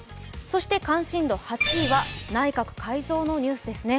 そして関心度８位は内閣改造のニュースですね。